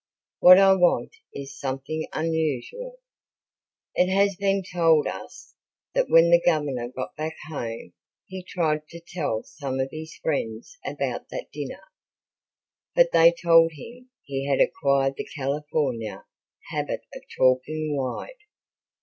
What I want is something unusual." It has been told us that when the Governor got back home he tried to tell some of his friends about that dinner, but they told him he had acquired the California habit of talking wide.